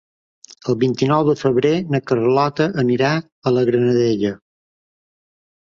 El vint-i-nou de febrer na Carlota anirà a la Granadella.